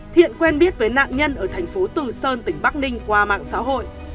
thiện quen biết với nạn nhân ở thành phố từ sơn tỉnh bắc ninh qua mạng xã hội